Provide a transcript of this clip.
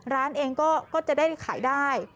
ร้านเองก็จะได้ขายได้